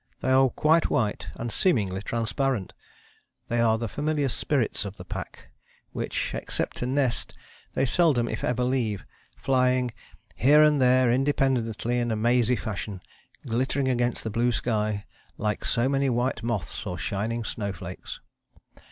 They are quite white, and seemingly transparent. They are the familiar spirits of the pack, which, except to nest, they seldom if ever leave, flying "here and there independently in a mazy fashion, glittering against the blue sky like so many white moths, or shining snowflakes."